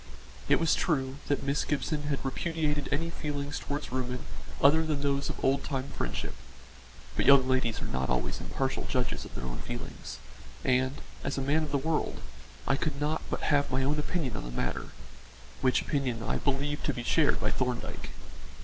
It was true that Miss Gibson had repudiated any feelings towards Reuben other than those of old time friendship; but young ladies are not always impartial judges of their own feelings, and, as a man of the world, I could not but have my own opinion on the matter which opinion I believed to be shared by Thorndyke.